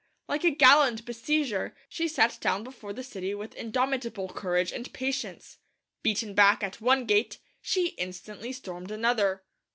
Like a gallant besieger, she sat down before the city with indomitable courage and patience. Beaten back at one gate, she instantly stormed another.